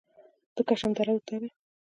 د کشم دره اوږده ده